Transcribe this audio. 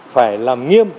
phải làm nghiêm